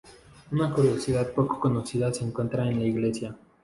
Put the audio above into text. Una curiosidad poco conocida se encuentra en la iglesia.